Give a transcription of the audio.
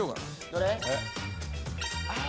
どれ？